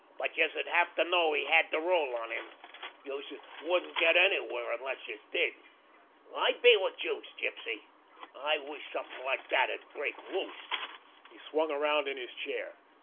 But youse'd have to know he had de roll on him. Youse wouldn't get anywhere unless youse did. I'd be wid youse, Gypsy. I wish something like dat'd break loose." He swung around in his chair.